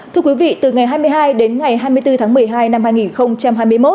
thưa quý vị từ ngày hai mươi hai đến ngày hai mươi bốn tháng một mươi hai năm hai nghìn hai mươi một